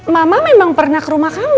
mama memang pernah ke rumah kami